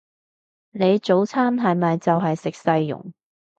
你早餐係咪就係食細蓉？